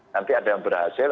nanti ada yang berhasil